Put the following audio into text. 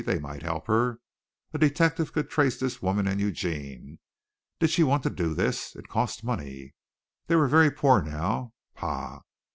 They might help her. A detective could trace this woman and Eugene. Did she want to do this? It cost money. They were very poor now. Paugh!